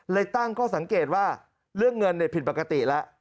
เลยยังตั้งก็สังเกตว่าเรื่องเงินผิดปกติแล้ว